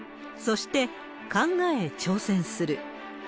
そして考え挑戦する。